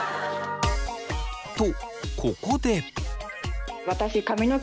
とここで。